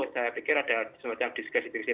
saya pikir ada semacam diskusi diskusi